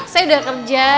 saya udah kerja